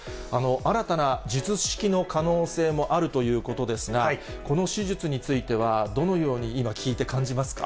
新たな術式の可能性もあるということですが、この手術については、どのように今、聞いて感じますか。